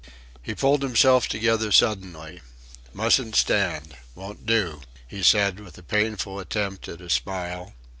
He pulled himself together suddenly. "Mustn't stand. Won't do," he said with a painful attempt at a smile.